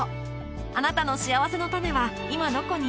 あなたのしあわせのたねは今どこに？